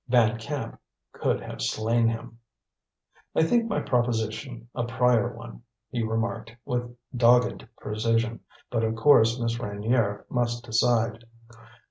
Van Camp could have slain him. "I think my proposition a prior one," he remarked with dogged precision; "but, of course, Miss Reynier must decide."